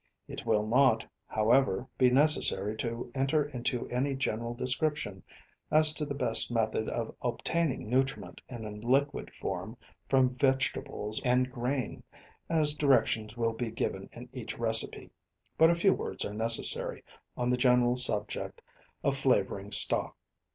It will not, however, be necessary to enter into any general description as to the best method of obtaining nutriment in a liquid form from vegetables and grain, as directions will be given in each recipe, but a few words are necessary on the general subject of flavouring stock.